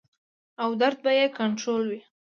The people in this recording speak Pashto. او درد به ئې کنټرول وي -